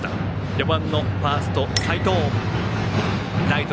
４番のファースト、齋藤。